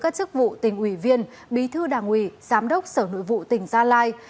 các chức vụ tỉnh ủy viên bí thư đảng ủy giám đốc sở nội vụ tỉnh gia lai